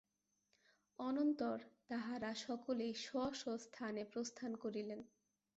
অনন্তর তাঁহারা সকলেই স্ব স্ব স্থানে প্রস্থান করিলেন।